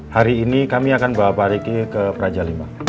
hari ini kami akan bawa pak riki ke praja v